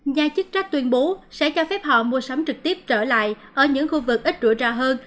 nhà chức trách tuyên bố sẽ cho phép họ mua sắm trực tiếp trở lại ở những khu vực ít rủi ro hơn